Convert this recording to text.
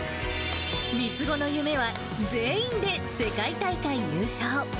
３つ子の夢は、全員で世界大会優勝。